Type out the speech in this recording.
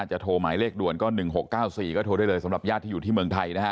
โทรหมายเลขด่วนก็๑๖๙๔ก็โทรได้เลยสำหรับญาติที่อยู่ที่เมืองไทยนะฮะ